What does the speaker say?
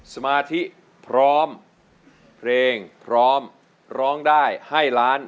สมาธิพร้อมเพลงพร้อมร้องได้ให้ล้าน